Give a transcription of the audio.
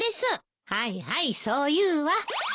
はいはいそう言うわ。